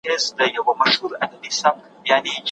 تاسو باید په خپلو خبرو کي تل ریښتیا وواياست.